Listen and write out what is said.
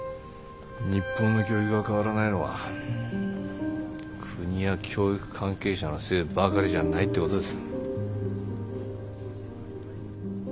日本の教育が変わらないのは国や教育関係者のせいばかりじゃないってことです。